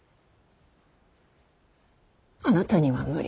あなたには無理。